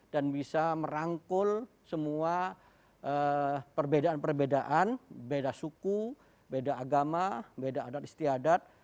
dan bisa merangkul semua perbedaan perbedaan beda suku beda agama beda adat istiadat